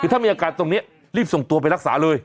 คือถ้ามีอาการตรงนี้รีบส่งตัวไปรักษาเลย